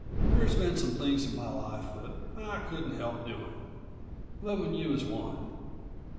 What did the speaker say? There's been some things in my life that I couldn't help doin'. Lovin' you is one.